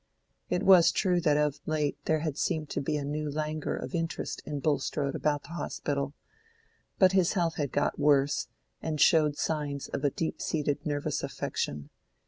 It was true that of late there had seemed to be a new languor of interest in Bulstrode about the Hospital; but his health had got worse, and showed signs of a deep seated nervous affection.